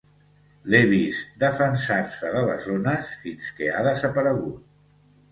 L'he vist defensar-se de les ones fins que ha desaparegut.